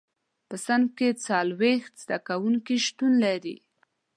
په صنف کې څلور څلوېښت زده کوونکي شتون لري.